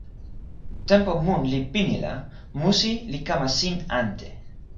tenpo mun li pini la, musi li kama sin ante.